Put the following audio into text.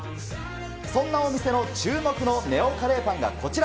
そんなお店の注目のＮＥＯカレーパンがこちら。